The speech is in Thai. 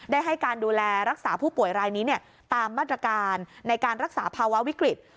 ได้ให้การดูแลรักษาผู้ป่วยรายนี้ตามมาตรการในการรักษาภาวะวิกฤต